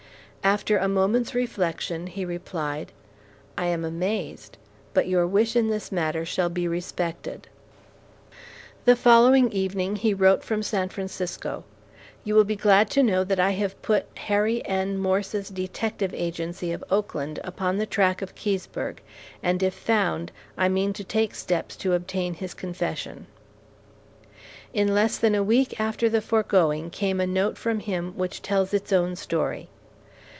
After a moment's reflection, he replied, "I am amazed; but your wish in this matter shall be respected." The following evening he wrote from San Francisco: You will be glad to know that I have put Harry N. Morse's detective agency of Oakland upon the track of Keseberg, and if found, I mean to take steps to obtain his confession. In less than a week after the foregoing, came a note from him which tells its own story.